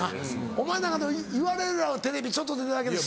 お前なんかでも言われるやろテレビちょっと出ただけでも。